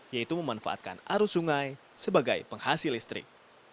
yaitu memanfaatkan arus sungai sebagai penghasil listrik